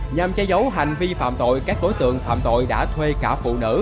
nhằm che giấu hành vi phạm tội các đối tượng phạm tội đã thuê cả phụ nữ